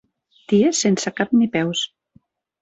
Ties sense cap ni peus.